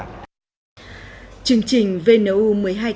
học sinh tham gia chương trình là một hình thức tốt nhất